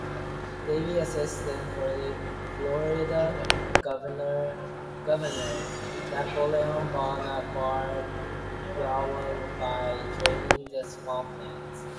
Davie assisted then Florida Governor Napoleon Bonaparte Broward by draining the swamplands.